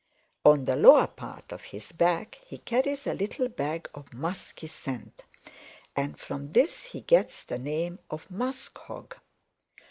"On the lower part of his back he carries a little bag of musky scent, and from this he gets the name of Muskhog.